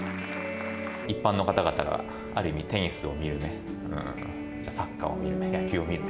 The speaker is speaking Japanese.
一般の方々がある意味、テニスを見る目、サッカーを見る目、野球を見る目、